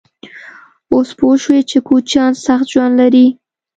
_اوس پوه شوې چې کوچيان سخت ژوند لري؟